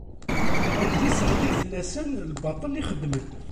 Ad d-isseɣli fell-asen lbaṭel i xeddmen.